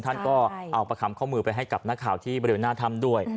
ท่านก็เอาประคำข้อมือไปให้กับนักข่าวที่บริเวณหน้าถ้ำด้วย